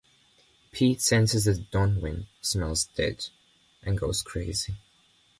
Pete senses that Donwynn smells dead, and goes crazy.